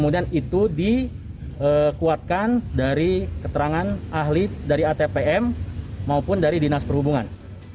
dan itu dikuatkan dari keterangan ahli dari atpm maupun dari dinas perhubungan